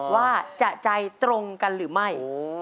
ว่าจะใจตรงกันหรือไม่